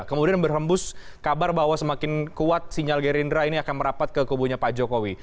kemudian berhembus kabar bahwa semakin kuat sinyal gerindra ini akan merapat ke kubunya pak jokowi